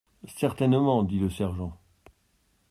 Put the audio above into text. Certainement, dit le sergent.